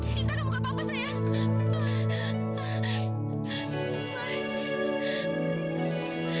sinta sinta kamu kemana sayang